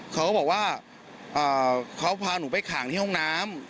เขาก็บอกว่าเขาพาหนูไปขังที่ห้องน้ำ